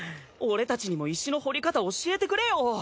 俺たちにも石の掘り方教えてくれよ。